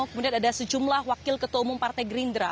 kemudian ada sejumlah wakil ketua umum partai gerindra